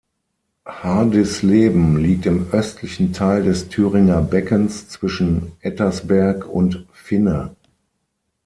Hardisleben liegt im östlichen Teil des Thüringer Beckens zwischen Ettersberg und Finne.